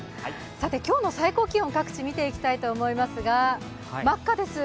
今日の最高気温、各地見ていきたいと思いますが、真っ赤です。